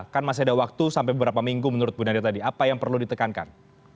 kan masih ada waktu sampai beberapa minggu menurut bu nadia tadi apa yang perlu ditekankan